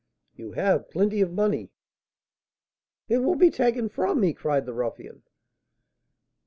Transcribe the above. "You have plenty of money." "It will be taken from me!" cried the ruffian.